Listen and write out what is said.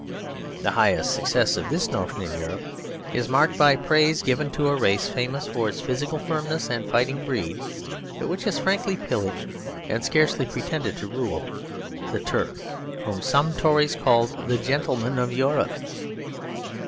The highest success of this notion in Europe is marked by praise given to a race famous for its physical firmness and fighting breed, but which has frankly pillaged and scarcely pretended to rule; the Turk, whom some Tories called "the gentleman of Europe."